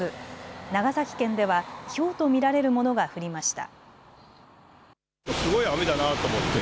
長崎県ではひょうと見られるものが降りました。